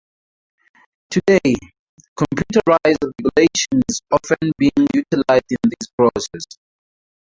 Today, computerized regulation is often being utilized in these processes.